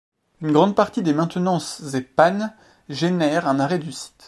Une grande partie des maintenances et pannes génèrent un arrêt du site.